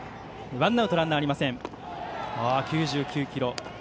９９キロ。